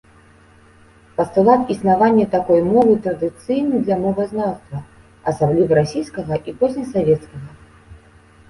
Пастулат існавання такой мовы традыцыйны для мовазнаўства, асабліва расійскага і позне-савецкага.